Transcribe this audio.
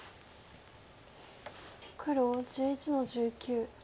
黒１１の十九。